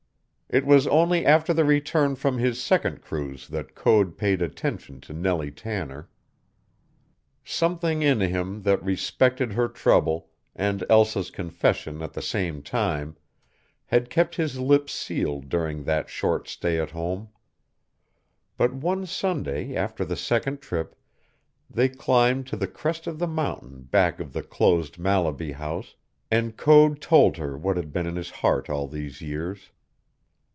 It was only after the return from his second cruise that Code paid attention to Nellie Tanner. Something in him that respected her trouble and Elsa's confession at the same time had kept his lips sealed during that short stay at home. But one Sunday after the second trip they climbed to the crest of the mountain back of the closed Mallaby House, and Code told her what had been in his heart all these years.